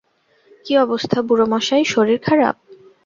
কী অবস্থা বুড়ো মশাই, শরীর খারাপ?